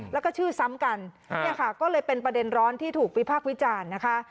แล้วก็ชื่อซ้ำกันเนี่ยค่ะก็เลยเป็นประเด็นร้อนที่ถูกวิพากษ์วิจารณ์นะคะ